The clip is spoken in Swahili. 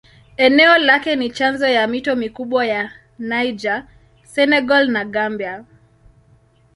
Eneo lake ni chanzo ya mito mikubwa ya Niger, Senegal na Gambia.